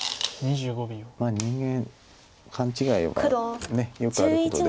人間勘違いはよくあることで。